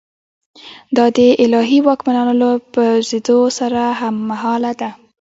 دا د الهي واکمنانو له پرځېدو سره هممهاله ده.